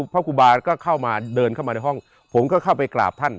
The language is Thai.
พระครูบาก็เข้ามาเดินเข้ามาในห้องผมก็เข้าไปกราบท่าน